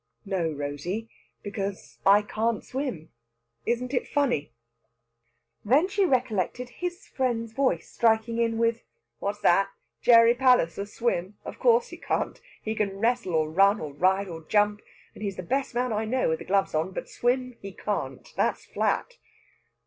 "No, Rosey, because I can't swim. Isn't it funny?" Then she recollected his friend's voice striking in with: "What's that? Gerry Palliser swim! Of course he can't. He can wrestle, or run, or ride, or jump; and he's the best man I know with the gloves on. But swim he can't! That's flat!"